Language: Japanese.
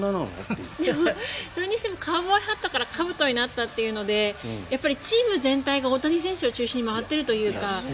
それにしてもカウボーイハットからかぶとになったのってやっぱり、チーム全体が大谷選手を中心に回っているというか。